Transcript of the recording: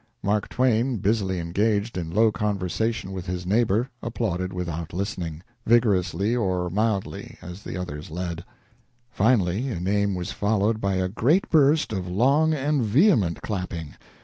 Mark Twain, busily engaged in low conversation with his neighbor, applauded without listening, vigorously or mildly, as the others led. Finally a name was followed by a great burst of long and vehement clapping.